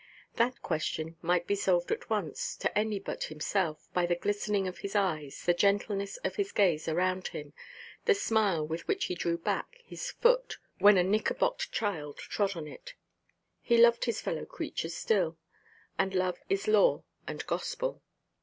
That question might be solved at once, to any but himself, by the glistening of his eyes, the gentleness of his gaze around, the smile with which he drew back his foot when a knickerbocked child trod on it. He loved his fellow–creatures still; and love is law and gospel.